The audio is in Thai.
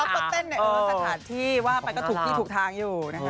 พี่ป๊อกก็เต้นในสถานที่ว่ามันก็ถูกทางอยู่นะคะ